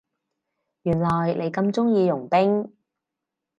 原來你咁鍾意傭兵